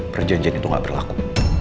perjanjian itu gak berlaku